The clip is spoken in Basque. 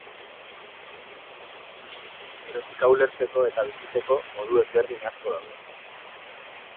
Erotika ulertzeko eta bizitzeko modu ezberdin asko daude.